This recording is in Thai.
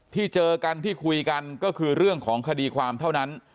เจอกันที่คุยกันก็คือเรื่องของคดีความเท่านั้น